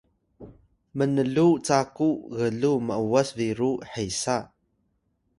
mnluw caku gluw m’was biru hesa